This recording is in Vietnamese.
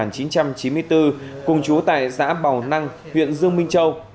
sinh năm một nghìn chín trăm chín mươi bốn cùng trú tại giã bào năng huyện dương minh châu